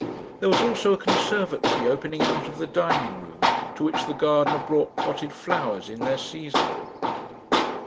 There was also a conservatory opening out of the dining room, to which the gardener brought potted flowers in their season....